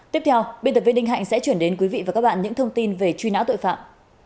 tiếp theo biên tập viên đinh hạnh sẽ chuyển đến quý vị và các bạn những thông tin về truy nã tội phạm